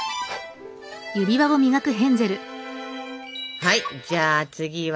はいじゃあ次は。